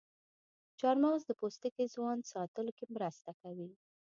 چارمغز د پوستکي ځوان ساتلو کې مرسته کوي.